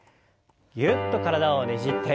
ぎゅっと体をねじって。